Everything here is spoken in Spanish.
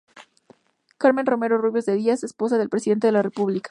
Carmen Romero Rubio de Díaz esposa del presidente de la República.